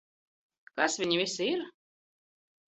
Kas viņi visi ir?